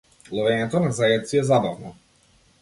Ловењето на зајаци е забавно.